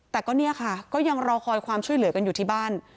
แต่ก็เนี่ยค่ะก็ยังรอคอยความช่วยเหลือกันอยู่ที่บ้าน